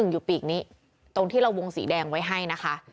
อยู่ปีกนี้ตรงที่เราวงสีแดงไว้ให้นะคะ